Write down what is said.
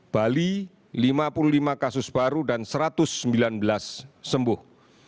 bali lima puluh lima kasus baru dan satu ratus sembilan belas sembuh